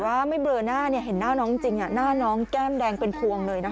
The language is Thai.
เบือหน้าเห็นหน้าน้องจริงน่าน้องแก้มแดงเป็นพวงเลยนะครับ